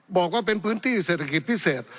บอกว่าเป็นพื้นที่เศรษฐกิจพิเศษ